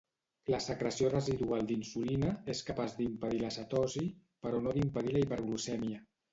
La secreció residual d'insulina és capaç d'impedir la cetosi però no d'impedir la hiperglucèmia.